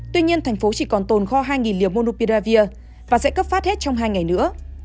tuy nhiên tp hcm chỉ còn tồn kho hai liều monopiravir và sẽ cấp phát hết trong hai ngày nữa